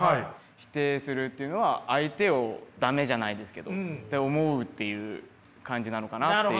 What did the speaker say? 否定するっていうのは相手をダメじゃないですけどって思うっていう感じなのかなっていう。